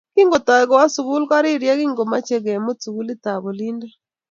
Kingotoi kowo sukul korir yekingomochei kemut sukulitap olindo